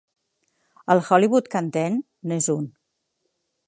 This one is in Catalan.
El Hollywood Canteen n'és un.